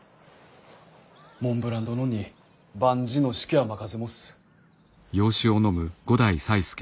モンブラン殿に万事の指揮は任せもす。